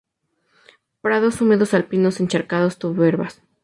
Prados húmedos alpinos, encharcados, turberas.